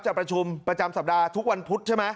ประชุมประจำสัปดาห์ทุกวันพุธใช่ไหม